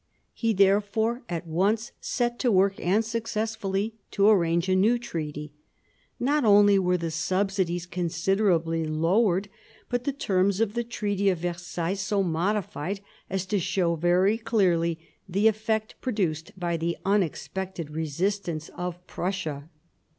He therefore at once set to work, and successfully, to arrange a new treaty. Not only were the subsidies considerably lowered, but the terms of the Treaty of Versailles so modified as to show very clearly the effect produced by the unexpected resistance of Prussia.